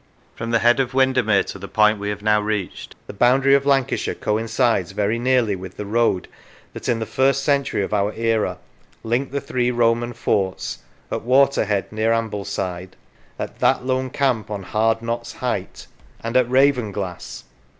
From the head of Winder mere to the point we have now reached, the boundary of Lancashire coincides very nearly with the road that, in the first century of our era, linked the three Roman forts at Waterhead, near Ambleside, at " that lone camp on Hard Knott's height," and at Raven glass.